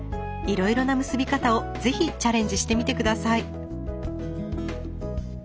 いろいろな結び方を是非チャレンジしてみて下さい。